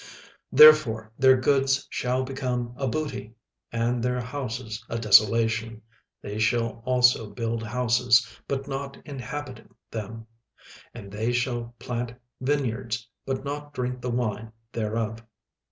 36:001:013 Therefore their goods shall become a booty, and their houses a desolation: they shall also build houses, but not inhabit them; and they shall plant vineyards, but not drink the wine thereof.